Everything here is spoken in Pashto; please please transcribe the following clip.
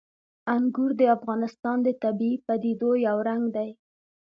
انګور د افغانستان د طبیعي پدیدو یو رنګ دی.